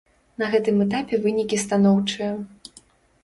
На гэтым этапе вынікі станоўчыя.